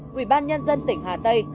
quỹ ban nhân dân tỉnh hà tây